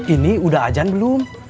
ini sudah ajan belum